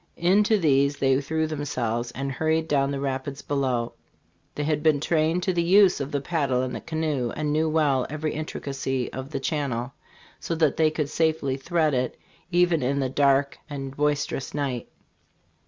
In to these they threw themselves, and hurried down the rapids below. They had been trained to the use of the paddle and the canoe, and knew well every intricacy of the channel, so that they could safely thread it, even in the dark and boisterous night.